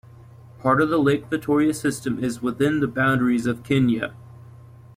Part of the Lake Victoria system is within the boundaries of Kenya.